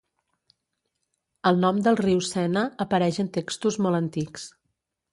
El nom del riu Sena apareix en textos molt antics.